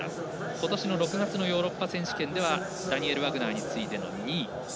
ことしの６月のヨーロッパ選手権ではダニエル・ワグナーに次いでの２位。